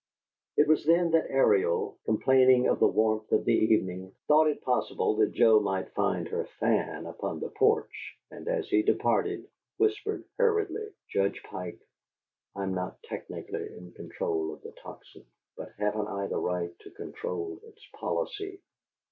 It was then that Ariel, complaining of the warmth of the evening, thought it possible that Joe might find her fan upon the porch, and as he departed, whispered hurriedly: "Judge Pike, I'm not technically in control of the Tocsin, but haven't I the right to control its policy?"